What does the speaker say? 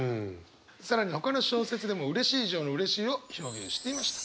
更にほかの小説でもうれしい以上のうれしいを表現していました。